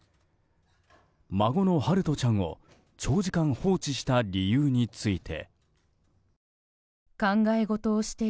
孫の陽翔ちゃんを長時間放置した理由について。